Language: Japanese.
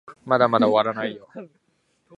まだまだ終わらないよ